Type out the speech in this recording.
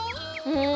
うん。